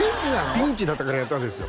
ピンチだったからやったんですよ